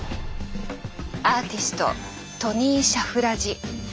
アーティストトニー・シャフラジ。